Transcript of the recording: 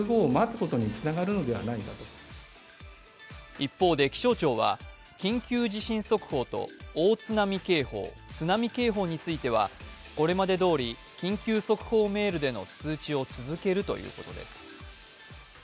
一方で気象庁は、緊急地震速報と大津波警報、津波警報についてはこれまでどおり緊急速報メールでの通知を続けるということです。